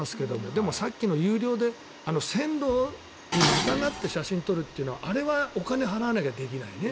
でもさっきの有料で線路にまたがって写真を撮るのはあれはお金を払わなきゃできないね。